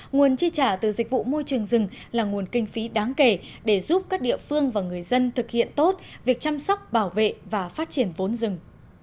nguồn chi trả từ dịch vụ môi trường rừng là nguồn kinh phí đáng kể để giúp các địa phương và người dân thực hiện tốt việc chăm sóc bảo vệ và phát triển vốn rừng